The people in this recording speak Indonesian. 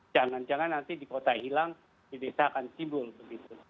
jangan jangan nanti di kota hilang di desa akan sibul begitu